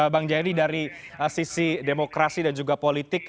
bang jaya di dari sisi demokrasi dan juga politik